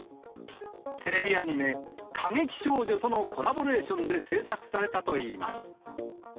テレビアニメ、かげきしょうじょ！とのコラボレーションで制作されたといいます。